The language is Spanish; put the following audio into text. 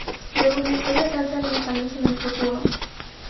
Luego la historia salta diez años en el futuro.